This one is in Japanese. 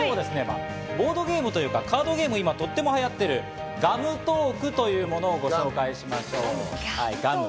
ボードゲームというかカードゲームで、今、とっても流行っているガムトークというものをご紹介しましょう。